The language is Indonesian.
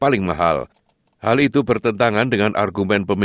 langkah perbuatan pada peluru ini